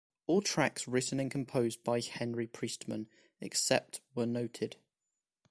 All tracks written and composed by Henry Priestman except where noted.